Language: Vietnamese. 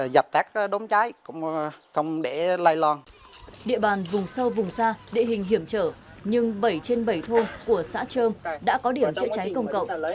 địa bàn vùng sâu vùng xa địa hình hiểm trở nhưng bảy trên bảy thôn của xã trơm đã có điểm chữa cháy công cộng